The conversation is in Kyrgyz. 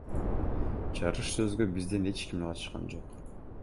Жарыш сөзгө бизден эч ким катышкан жок.